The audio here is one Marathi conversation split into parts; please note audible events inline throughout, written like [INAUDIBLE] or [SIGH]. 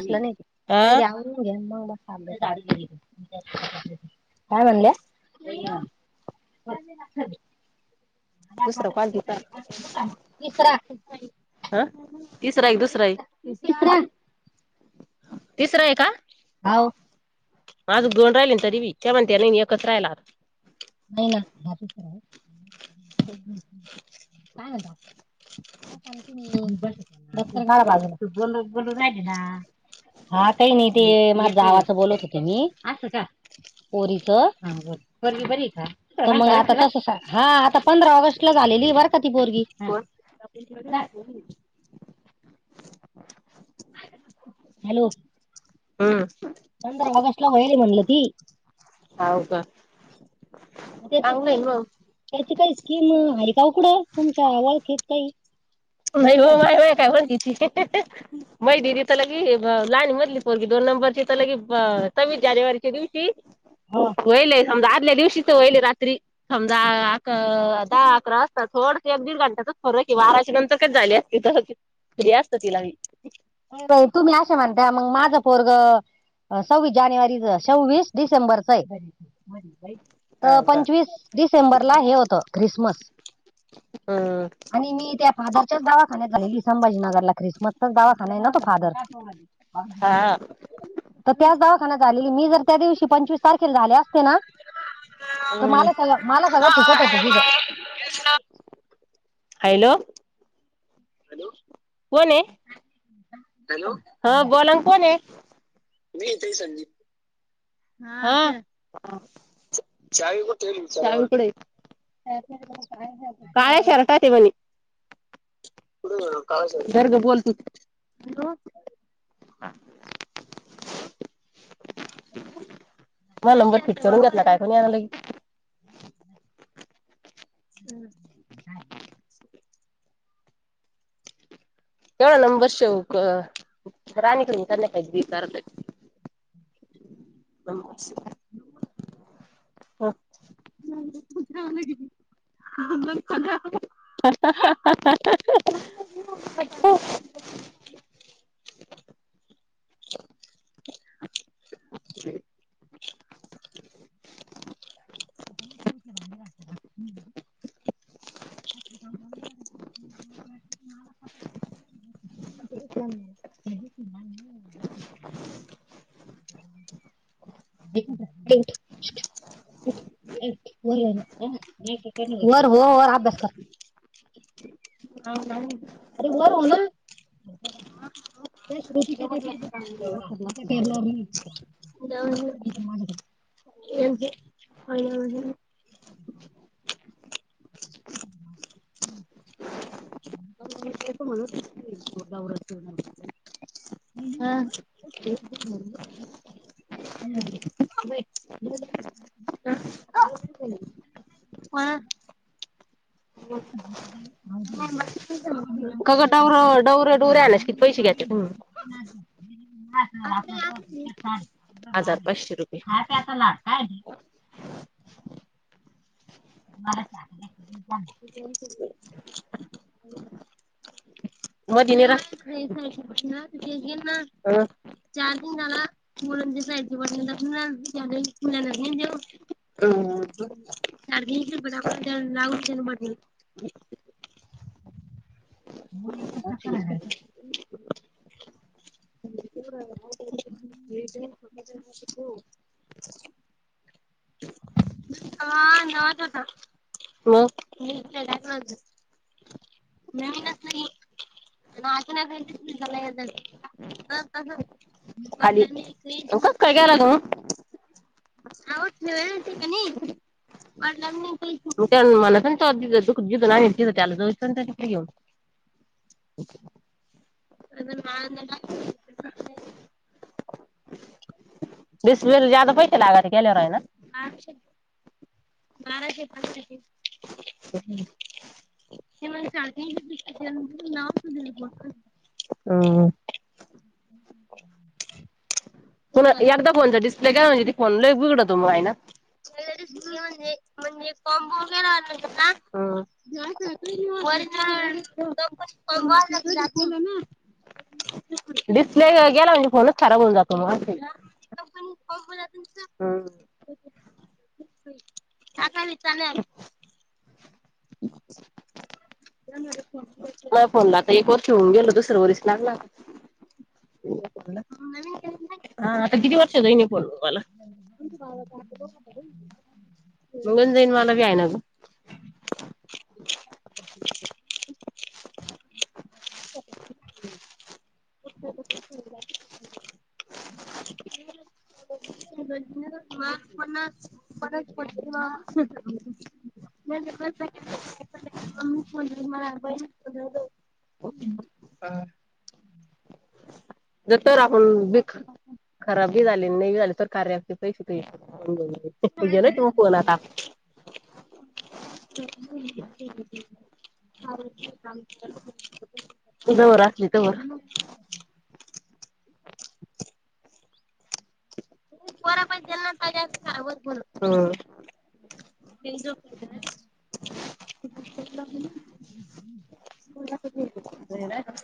असलं नाही काई आ पहिलं आवरून घ्या अन म बाकि काय म्हणल्या? [UNINTELLIGIBLE] दुसरा कॉल तिचा. तिसरा हा तिसराय कि दुसराय तिसरा. तिसरा आहे का? हाव. माझ दोन राहिले ना तरी बी ते म्हणते नाही एकचं राहिला आता. नाही ना भातचं करा न. हं. काय हालता? लोकान तुम्ही दप्तर काडा बाजूला तू बोलू बोलू राहिली ना. हा ताई मी ते माझ जावाचं बोलत होते मी. पोरीचं हा बोल पोरगी बरीय का? तर मग आता तस सा हा आता पंधरा ऑगस्ट ला झालेलीय बर कोण आपण तिला द्यायचं काय नाई. हॅलो. हम्म. पंधरा ऑगस्ट ला होइल म्हणलं ती. हाव का जसे चांगलं आहे की. मग त्याची काही स्कीम आहे का ओ कुठ तुमच्या वळखेत काही. बाई नाही ओ माय माय काय म्हणली ती अ हं हं हं. माई दिदी तर लगी ब लहानी मधली पोरगी दोन नंबरची तर लगी सव्वीस जानेवारीच्या दिवशी हो. होईले समजा आदल्या दिवशी तर होईले रात्री समजा अक दहा अकरा वाजता सोड. एक दिड घंटाचाच फरक आहे बाराच्या नंतरच झाली असती तर फ्री असतं तिला बी. नाही तुम्ही असे म्हणताय मंग माझं पोरग अ सव्वीस जानेवारीच सव्वीस डिसेंबरच आहे. त हाव का पंचवीस डिसेंबरला हे होतं ख्रिसमस. हम्म आणि मी त्या फादरच्याच दवाखान्यात झालेली संभाजीनगरला ख्रिसमसचाच दवाखाना आहे ना तो फादर. हा [UNINTELLIGIBLE] त्याच दवाखान्यात झालेले मी जर त्या दिवशी पंचवीस तारखेला झाले असते ना. तर हम्म माला सांगा माला मला सर्व फुकट होतं तिथं. [UNINTELLIGIBLE] हॅलो. कोण आहे? हॅलो हा बोलानं कोणयं? मी येत संंदीप. हा हा. चा चावी कुठे ठेवली विचारावा चावी कुठयं? काळ्या शर्टात आहे म्हणे. कुठ गेला काळा धर गं बोल तुच हॅलो. मा नंबर फिट करून घेतला काय कोणी यान लगी. [INAUDIBLE] झाले. एवढा नंबर सेव कर राणीकडनं कर ना कई बि करा [UNINTELLIGIBLE] हा [UNINTELLIGIBLE] दोन दोन खाल्यावर मग हा हा हा हा. अ. [INAUDIBLE] [INAUDIBLE] [INAUDIBLE] [INAUDIBLE] [UNINTELLIGIBLE] [UNINTELLIGIBLE] [UNINTELLIGIBLE] नर हो वर अभ्यास कर. [UNINTELLIGIBLE] अरे वर हो ना. [UNINTELLIGIBLE] [UNINTELLIGIBLE] [INAUDIBLE] [INAUDIBLE] [UNINTELLIGIBLE] हा. [UNINTELLIGIBLE] नाही, नाही, नाही, मला वाटलं [UNINTELLIGIBLE] ह [INAUDIBLE] [UNINTELLIGIBLE] का गं काढतो. डवरंडवरं लंबा. डोऱ्या आल्यास कि म्हणजे ती पैशे साडी घ्यायचे. [UNINTELLIGIBLE] हजार पाचशे रुपये. खा आता लाडका आहे. [UNINTELLIGIBLE] [UNINTELLIGIBLE] [UNINTELLIGIBLE] [UNINTELLIGIBLE] [UNINTELLIGIBLE] [UNINTELLIGIBLE] [UNINTELLIGIBLE] कसा मग करायलायचा? [UNINTELLIGIBLE] हो. [UNINTELLIGIBLE] नावीनच नाही ना. [UNINTELLIGIBLE] [UNINTELLIGIBLE] [UNINTELLIGIBLE] [UNINTELLIGIBLE] [INAUDIBLE] [UNINTELLIGIBLE] डिस्प्लेला जादा पैशे लाग गेल्यावर आहे ना. बाराशे पाच टके. [UNINTELLIGIBLE] [UNINTELLIGIBLE] [INAUDIBLE] पुन्हा एकदा फोनचा डिस्प्ले गेला म्हणजे ते फोन लई बिघडतो मग आहे ना. [UNINTELLIGIBLE] [UNINTELLIGIBLE] डिस्प्ले गेला म्हणजे फोन खराब होऊन जातो [INAUDIBLE] हम्म. [INAUDIBLE] असा बी चालेल. नाही फोनला आता एक वर्ष होऊन गेल दुसर्या वर्ष लागला. हा आता किती वर्ष जाईन हे फोन लो. [UNINTELLIGIBLE] जाईन मला बी यायना गं. हम् [UNINTELLIGIBLE] [UNINTELLIGIBLE] [UNINTELLIGIBLE] जर तर आपण बी ख खराबी झाली नाही झाली तर कार्य ऐप [UNINTELLIGIBLE] गेलंय कॉल आता. [UNINTELLIGIBLE] तुझा वर असली तेव्हा [UNINTELLIGIBLE] हा. [INAUDIBLE] [UNINTELLIGIBLE] [UNINTELLIGIBLE]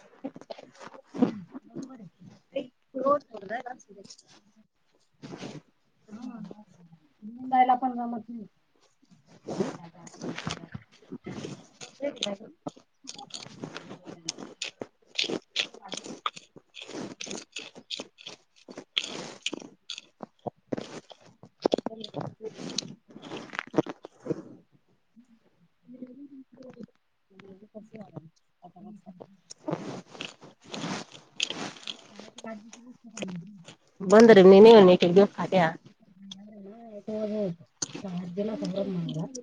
बोरबर आहे. [INAUDIBLE] [INAUDIBLE] जायला पण गमत नाही. [INAUDIBLE] [UNINTELLIGIBLE] [UNINTELLIGIBLE] [INAUDIBLE] ह हा. [UNINTELLIGIBLE] [UNINTELLIGIBLE] [UNINTELLIGIBLE]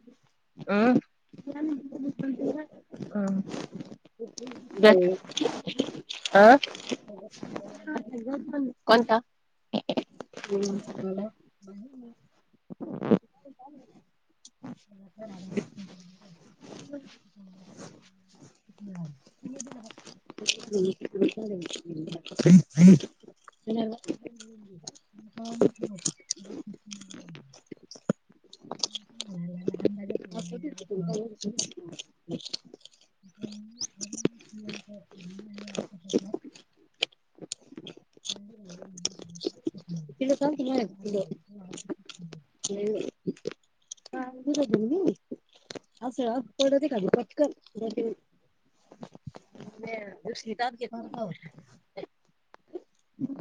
तू खूप दिसतोय सोबत चित्रकला [UNINTELLIGIBLE] [UNINTELLIGIBLE] कोणता बोला [UNINTELLIGIBLE] [INAUDIBLE] [INAUDIBLE] [UNINTELLIGIBLE] [INAUDIBLE] कामच नव्हतं. [INAUDIBLE] म्हणाला लहान राजे सयाजी राजे सर [UNINTELLIGIBLE] [INAUDIBLE] [INAUDIBLE] सुंदर मिळाले [UNINTELLIGIBLE] तो आज बक्षीस मिळाले [UNINTELLIGIBLE] उदया देईन मी. असं तेवढं ते खाली पक्कन. [UNINTELLIGIBLE] हेव शितात घेत म. स्पर्धा होती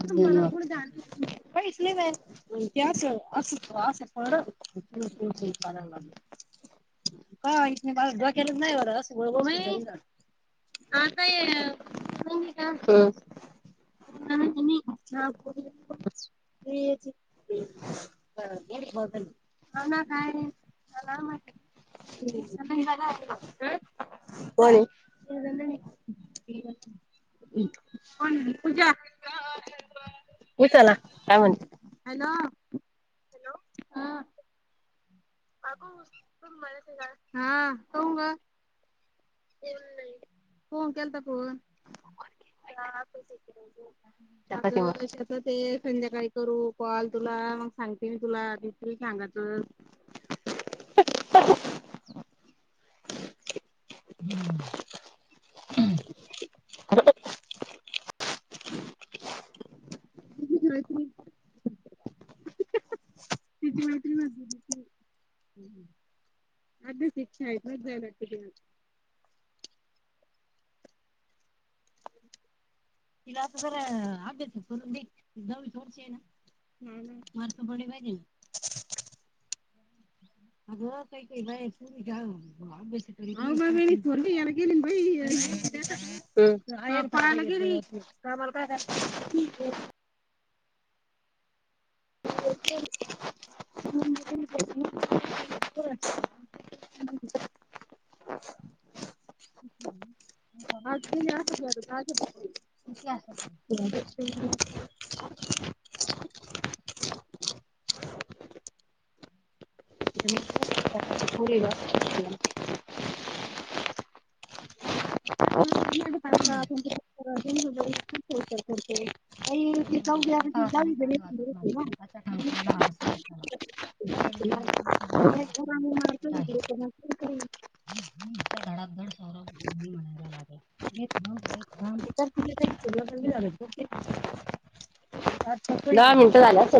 ज्ञानी आणि [UNINTELLIGIBLE] [UNINTELLIGIBLE] का [UNINTELLIGIBLE] केलेच वाक्यप्रचाराची प्रत्येकाचा पहिला क्रमांक ना एवढं असं वळवळ मय हा काय [UNINTELLIGIBLE] का? [UNINTELLIGIBLE] ह. एवढी खोजनं हाव ना काय झाला म. [UNINTELLIGIBLE] [UNINTELLIGIBLE] कोण ही पूजा. हेच आहे ना काय म्हणते हॅलो. कोण केलता फोन? [INAUDIBLE] [INAUDIBLE] [UNINTELLIGIBLE] ते संध्याकाळी करू कॉल तुला मंग सांगते मी तुला दितील सांगायच. [INAUDIBLE] [UNINTELLIGIBLE] [INAUDIBLE] शाळेत मग जाय लागते त्याला. [INAUDIBLE] तीला आता जरा अभ्यास बी [UNINTELLIGIBLE] दहावीची वर्षी आहे ना मार्क पडले पाहिजे ना. अगं काय केलाय तुनी घ्या म्हणे. [UNINTELLIGIBLE] [UNINTELLIGIBLE] हा होते ना. [INAUDIBLE] किती असतात [UNINTELLIGIBLE] [UNINTELLIGIBLE] [UNINTELLIGIBLE] [UNINTELLIGIBLE] [UNINTELLIGIBLE] विजयबाई म्हणाल्या, एका हाताने टाळी वाजत [UNINTELLIGIBLE] [UNINTELLIGIBLE] आरसा कशाला? येल गेले, तूप गेली, हाती दुपटली राहिली. [UNINTELLIGIBLE] धडाधड सौरवनी म्हणायला लागला रे थांब रे थांब [UNINTELLIGIBLE] दहा मिंट झाला असेल.